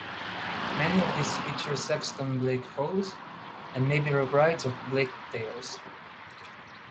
Many of these feature Sexton Blake foes and may be rewrites of Blake tales.